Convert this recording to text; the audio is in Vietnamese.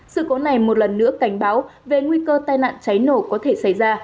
sự cố này một lần nữa cảnh báo về nguy cơ tai nạn cháy nổ có thể xảy ra